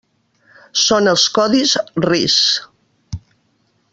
Són els codis RIS.